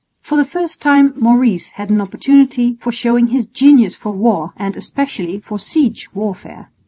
For the first time Maurice had an opportunity for showing his genius for war and especially for siege warfare.